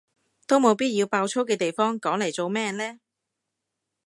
都冇必要爆粗嘅地方講嚟做咩呢？